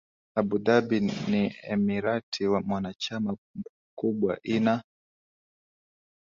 Abu Dhabi ni emirati mwanachama kubwa ina